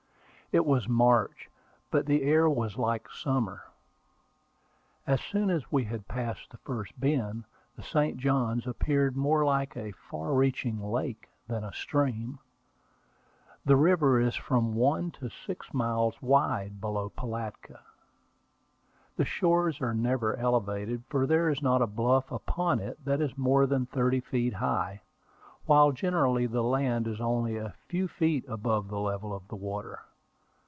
It was March; but the air was like summer. As soon as we had passed the first bend, the St. Johns appeared more like a far reaching lake than a stream. The river is from one to six miles wide below Pilatka. The shores are never elevated, for there is not a bluff upon it that is more than thirty feet high, while generally the land is only a few feet above the level of the water.